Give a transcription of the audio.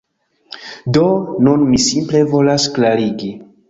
Do, nun mi simple volas klarigi